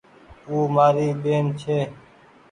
او مآري ٻين ڇي۔